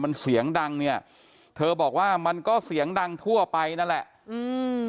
มันเสียงดังเนี่ยเธอบอกว่ามันก็เสียงดังทั่วไปนั่นแหละอืม